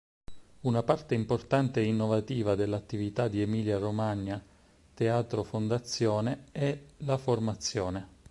Una parte importante e innovativa dell'attività di Emilia Romagna Teatro Fondazione è la formazione.